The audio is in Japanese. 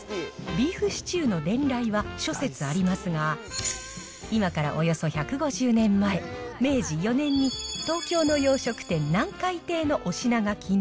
ビーフシチューの伝来は諸説ありますが、今からおよそ１５０年前、明治４年に東京の洋食店、南海亭のお品書きに、